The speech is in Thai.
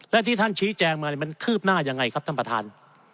และที่ท่านชี้แจงมามันคืบหน้ายังไงครับท่านประธาน